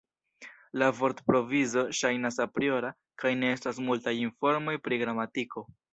La vortprovizo ŝajnas apriora kaj ne estas multaj informoj pri gramatiko.